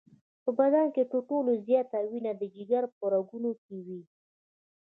په بدن کې تر ټولو زیاته وینه د جگر په رګونو کې وي.